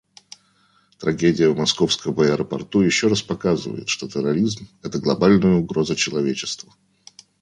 Трагедия в московском аэропорту еще раз показывает, что терроризм − это глобальная угроза человечеству.